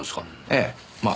ええまあ。